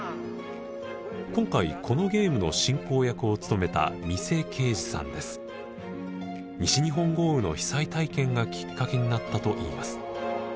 今回このゲームの進行役を務めた西日本豪雨の被災体験がきっかけになったといいます。